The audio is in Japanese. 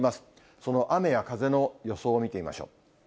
その雨や風の予想を見てみましょう。